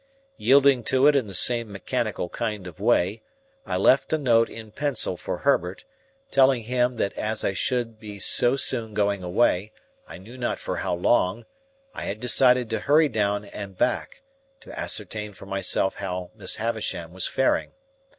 Yielding to it in the same mechanical kind of way, I left a note in pencil for Herbert, telling him that as I should be so soon going away, I knew not for how long, I had decided to hurry down and back, to ascertain for myself how Miss Havisham was faring.